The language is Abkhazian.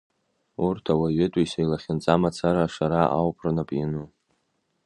Урҭ ауаҩытәыҩса илахьынҵа мацара ашара ауп рнап иану.